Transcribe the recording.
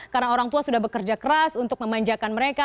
karena orang tua sudah bekerja keras untuk memanjakan mereka